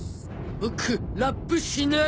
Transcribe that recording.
ボクラップしない！